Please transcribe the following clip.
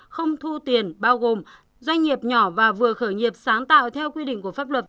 không thu tiền bao gồm doanh nghiệp nhỏ và vừa khởi nghiệp sáng tạo theo quy định của pháp luật